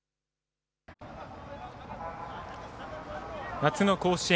夏の甲子園